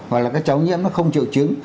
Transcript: hoặc là các cháu nhiễm nó không triệu chứng